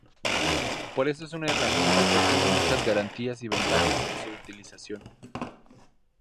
Por eso es una herramienta que tiene muchas garantías y ventajas en su utilización.